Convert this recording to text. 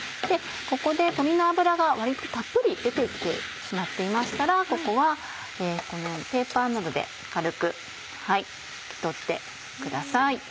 ここで鶏の脂が割とたっぷり出て来てしまっていましたらここはこのようにペーパーなどで軽く取ってください。